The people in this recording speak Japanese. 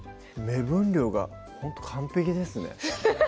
目分量がほんと完璧ですね